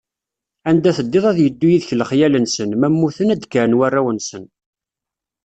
Anda teddiḍ ad yeddu yid-k lexyal-nsen, ma mmuten ad d-kkren warraw-nsen.